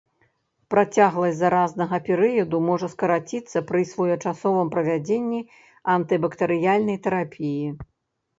Працягласць заразнага перыяду можа скараціцца пры своечасовым правядзенні антыбактэрыяльнай тэрапіі.